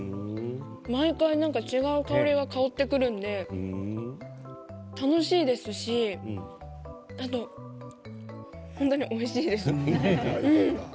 毎回違う香りが香ってくるので楽しいですし本当においしいです。